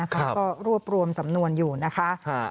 ก็รวบรวมสำนวนอยู่นะคะ